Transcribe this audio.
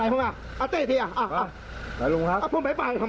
เฮ้ยเพียร้านอะไรพวกเรา